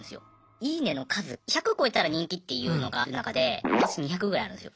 「いいね」の数１００超えたら人気っていうのがある中で私２００ぐらいあるんですよ。